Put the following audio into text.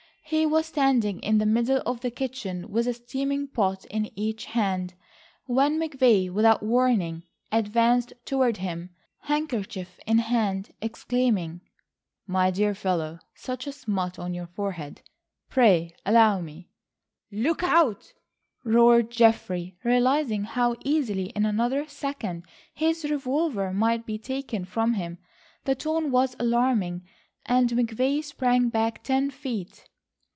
He was standing in the middle of the kitchen with a steaming pot in each hand, when McVay, without warning, advanced toward him, handkerchief in hand, exclaiming: "My dear fellow, such a smut on your forehead, pray allow me—" [Illustration: "My dear fellow—pray allow me"] "Look out," roared Geoffrey, realising how easily in another second his revolver might be taken from him. The tone was alarming, and McVay sprang back ten feet.